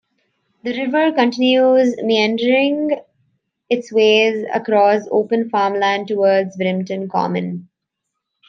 The river continues meandering its way across open farmland towards Brimpton Common.